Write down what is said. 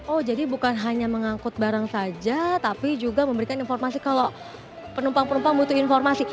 oh jadi bukan hanya mengangkut barang saja tapi juga memberikan informasi kalau penumpang penumpang butuh informasi